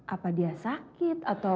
apa dia sakit atau